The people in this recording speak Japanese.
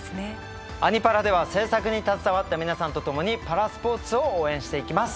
「アニ×パラ」では制作に携わった皆さんと共にパラスポーツを応援していきます。